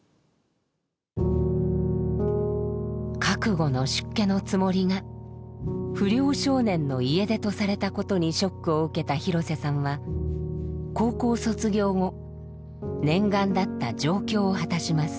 覚悟の出家のつもりが不良少年の家出とされたことにショックを受けた廣瀬さんは高校卒業後念願だった上京を果たします。